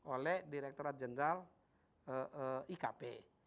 oleh direktorat general ikp